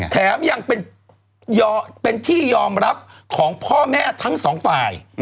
แถมยังเป็นที่ยอมรับของพ่อแม่ทั้งสองฝ่าย